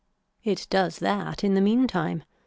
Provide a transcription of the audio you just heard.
It does that in the mean time.